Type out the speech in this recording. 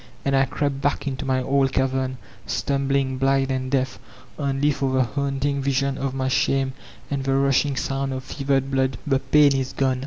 — ^And I crept back into my old cavern, stumbling, blind and deaf, only for the haunting vision of my shame and the rushing sound of fevered bkKKL The pain is gone.